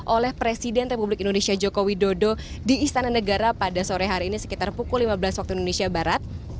oleh presiden republik indonesia joko widodo di istana negara pada sore hari ini sekitar pukul lima belas waktu indonesia barat